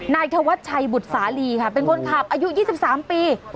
นายธวัชชัยบุตรสาลีค่ะเป็นคนขับอายุ๒๓ปี